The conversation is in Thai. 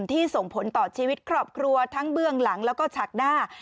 ส่งผลต่อชีวิตครอบครัวทั้งเบื้องหลังแล้วก็ฉากหน้า